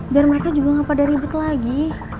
biar mereka juga gak pada ribet lagi